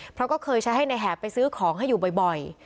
เพราะก็เคยใช้ให้ในแหบไปซื้อของให้อยู่บ่อย